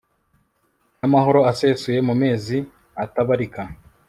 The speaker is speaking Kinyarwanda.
n'amahoro asesure, mu mezi atabarika